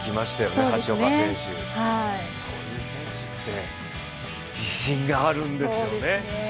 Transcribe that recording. そういう選手って自信があるんですよね。